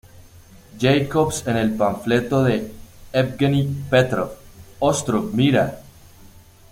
Jacobs en el panfleto de Evgeny Petrov "Ostrov mira".